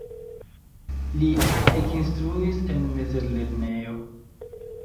Li ekinstruis en mezlernejo.